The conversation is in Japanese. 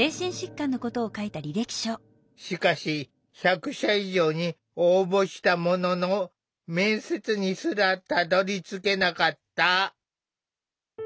しかし１００社以上に応募したものの面接にすらたどりつけなかった。